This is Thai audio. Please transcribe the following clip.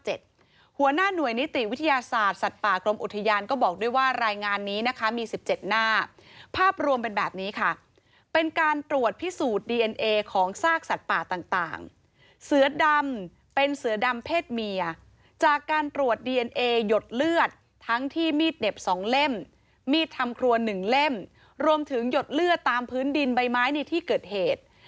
หัวหน้าหน่วยนิติวิทยาศาสตร์สัตว์ป่ากรมอุทยานก็บอกด้วยว่ารายงานนี้นะคะมี๑๗หน้าภาพรวมเป็นแบบนี้ค่ะเป็นการตรวจพิสูจน์ดีเอ็นเอของซากสัตว์ป่าต่างเสือดำเป็นเสือดำเพศเมียจากการตรวจดีเอนเอหยดเลือดทั้งที่มีดเหน็บ๒เล่มมีดทำครัว๑เล่มรวมถึงหยดเลือดตามพื้นดินใบไม้ในที่เกิดเหตุ